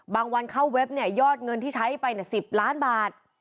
บางวันเข้าเว็บยอดเงินที่ใช้ไป๑๐ล้านบาท